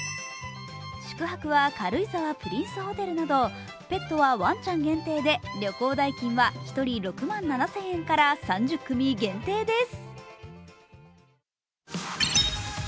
宿泊は軽井沢プリンスホテルなどペットはワンちゃん限定で旅行代金は１人６万７０００円から３０組限定です。